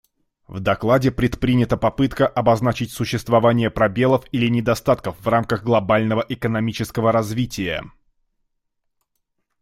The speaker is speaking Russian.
В докладе предпринята попытка обозначить существование пробелов или недостатков в рамках глобального экономического развития.